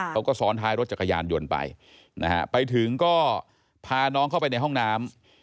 เขาก็ซ้อนท้ายรถจักรยานยนต์ไปนะฮะไปถึงก็พาน้องเข้าไปในห้องน้ำ